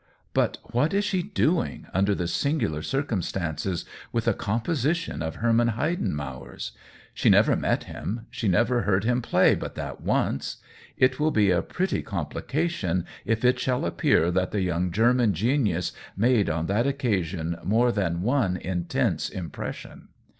But what is she doing, under the singular circumstances, with a composition of Herman Heiden mauer's ? She never met him, she never :j heard him play, but that once. It will be ■[ a pretty complication if it shall appear that !l the young German genius made on that oc i casion more than one intense impression.